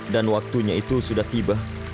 dan waktunya itu sudah tiba